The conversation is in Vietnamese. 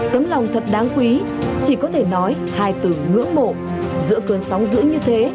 tấm lòng thật đáng quý chỉ có thể nói hai từ ngưỡng mộ giữa cơn sóng dữ như thế